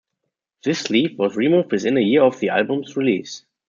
This sleeve was removed within a year of the album's release.